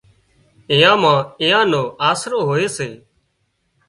اين مان ايئان نو آسرو هوئي سي